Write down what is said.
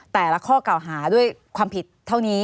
แต่ละข้อเก่าหาด้วยความผิดเท่านี้